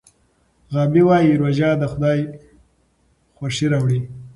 غابي وایي روژه د خدای خوښي راوړي.